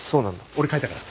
俺書いたから。